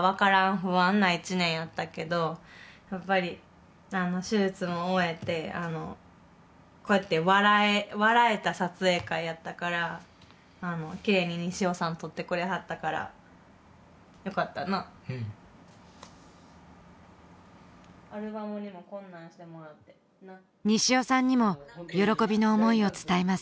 不安な１年やったけどやっぱり手術も終えてこうやって笑えた撮影会やったからきれいに西尾さん撮ってくれはったからよかったなうんアルバムにもこんなんしてもらって西尾さんにも喜びの思いを伝えます